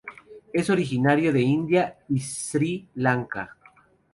Es originario de India y Sri Lanka.